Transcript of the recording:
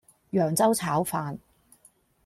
揚州炒飯